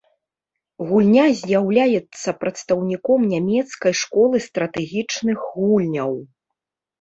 Гульня з'яўляецца прадстаўніком нямецкай школы стратэгічных гульняў.